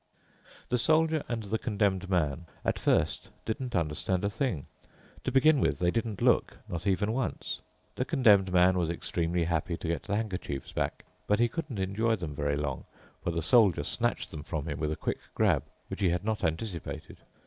The Soldier and the Condemned Man at first didn't understand a thing. To begin with they didn't look, not even once. The Condemned Man was extremely happy to get the handkerchiefs back, but he couldn't enjoy them very long, for the Soldier snatched them from him with a quick grab, which he had not anticipated.